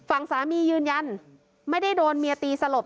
ฝั่งสามียืนยันไม่ได้โดนเมียตีสลบ